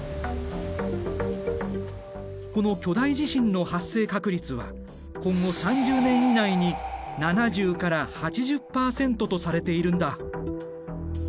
この巨大地震の発生確率は今後３０年以内に７０から８０％とされているんだ。